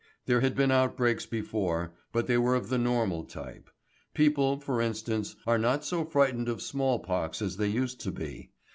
There had been outbreaks before, but they were of the normal type. People, for instance, are not so frightened of smallpox as they used to be.